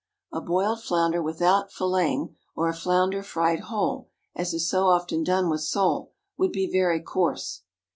A boiled flounder without filleting, or a flounder fried whole, as is so often done with sole, would be very coarse.